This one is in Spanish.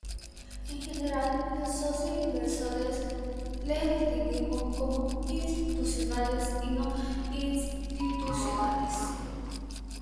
En general los socios inversores les distinguimos como institucionales y no institucionales.